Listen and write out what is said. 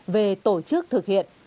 về tổ chức thực hiện